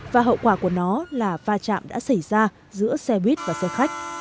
và hậu quả của nó là va chạm đã xảy ra giữa xe buýt và xe khách